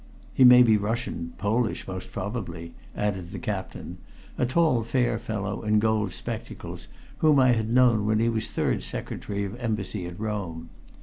"He may be Russian Polish most probably," added the captain, a tall, fair fellow in gold spectacles, whom I had known when he was third secretary of Embassy at Rome.